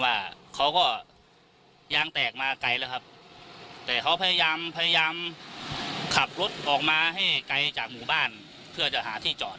ว่าเขาก็ยางแตกมาไกลแล้วครับแต่เขาพยายามพยายามขับรถออกมาให้ไกลจากหมู่บ้านเพื่อจะหาที่จอด